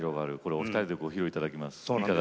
お二人でご披露いただきます。